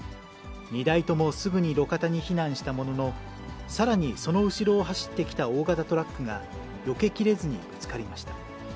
２台ともすぐに路肩に避難したものの、さらにその後ろを走ってきた大型トラックがよけきれずにぶつかりました。